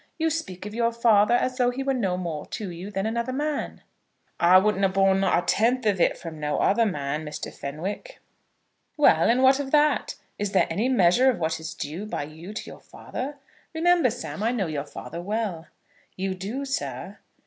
You speak of your father as though he were no more to you than another man." "I wouldn't a' borne not a tenth of it from no other man, Mr. Fenwick." "Well and what of that? Is there any measure of what is due by you to your father? Remember, Sam, I know your father well." "You do, sir."